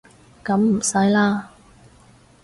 噉唔使啦